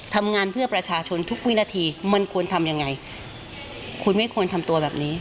ทำงานเพื่อประชาชนทุกวินาทีมันควรทำยังไงคุณไม่ควรทำตัวแบบนี้